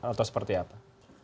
atau seperti apa